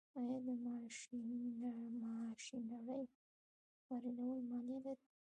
آیا د ماشینرۍ واردول مالیه لري؟